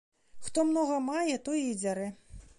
Хто многа мае, той і дзярэ.